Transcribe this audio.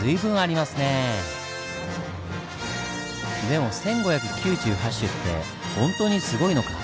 でも１５９８種って本当にすごいのか？